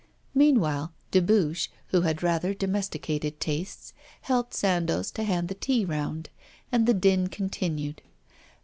Meanwhile, Dubuche, who had rather domesticated tastes, helped Sandoz to hand the tea round, and the din continued.